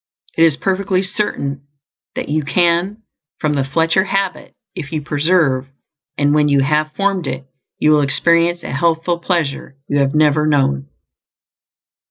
It is perfectly certain that you CAN form the "Fletcher habit" if you persevere; and when you have formed it, you will experience a healthful pleasure you have never known.